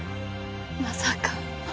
まさか？